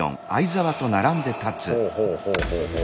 ほうほうほうほうほう。